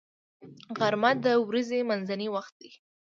غرمه د ورځې منځنی وخت دی